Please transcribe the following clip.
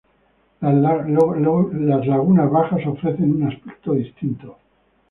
Las lagunas "bajas" ofrecen un aspecto distinto.